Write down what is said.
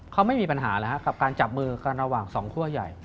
เขาไม่มีปัญหาแล้วกับการจับมือกันระหว่างสองคั่วใหญ่